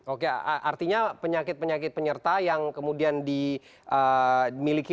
oke artinya penyakit penyakit penyerta yang kemudian dimiliki